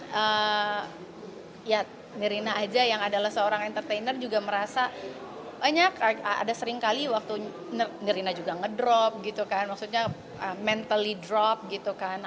ya nirina aja yang adalah seorang entertainer juga merasa banyak ada seringkali waktu nirina juga ngedrop gitu kan maksudnya mentally drop gitu kan